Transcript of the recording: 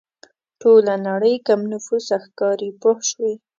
ټوله نړۍ کم نفوسه ښکاري پوه شوې!.